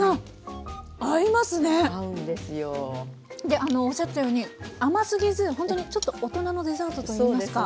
でおっしゃってたように甘すぎずほんとにちょっと大人のデザートといいますか。